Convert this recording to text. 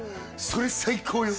それ最高よ！